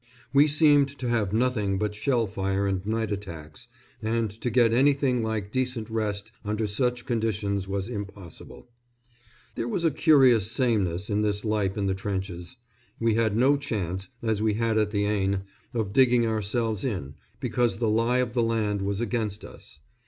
We seemed to have nothing but shell fire and night attacks, and to get anything like decent rest under such conditions was impossible. There was a curious sameness in this life in the trenches. We had no chance, as we had at the Aisne, of digging ourselves in, because the lie of the land was against us.